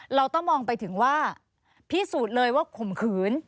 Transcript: เราต้องมองไปถึงว่าพิสูจน์เลยว่าข่มขืน